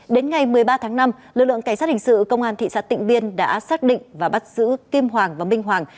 đến ngày một mươi ba tháng năm lực lượng cảnh sát hình sự công an thị xã tịnh biên đã xác định và bắt giữ kim hoàng và minh hoàng